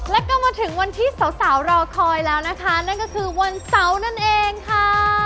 แล้วก็มาถึงวันที่สาวรอคอยแล้วนะคะนั่นก็คือวันเสาร์นั่นเองค่ะ